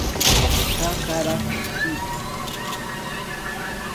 Tacaratu